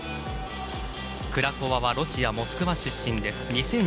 クラコワはロシアの出身です。